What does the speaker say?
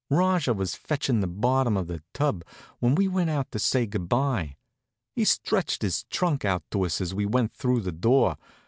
Rajah was fetchin' the bottom of the tub when we went out to say good by. He stretched his trunk out after us as we went through the door.